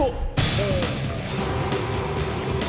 ほう！